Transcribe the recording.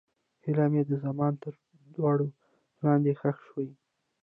هیلې مې د زمان تر دوړو لاندې ښخې شوې.